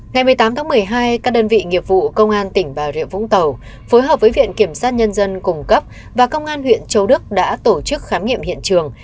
ngày một mươi tám tháng một mươi hai các đơn vị nghiệp vụ công an tỉnh bà rịa vũng tàu phối hợp với viện kiểm sát nhân dân cung cấp và công an huyện châu đức đã tổ chức khám nghiệm hiện trường